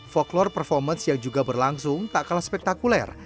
folklore performance yang juga berlangsung tak kalah spektakuler